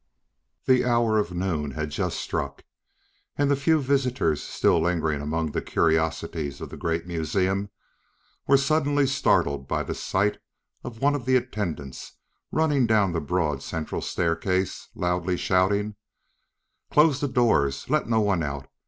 The hour of noon had just struck, and the few visitors still lingering among the curiosities of the great museum were suddenly startled by the sight of one of the attendants running down the broad, central staircase, loudly shouting: "Close the doors! Let no one out!